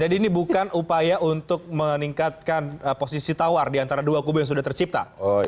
jadi ini bukan upaya untuk meningkatkan posisi tawar diantara dua kubu yang sudah tercipta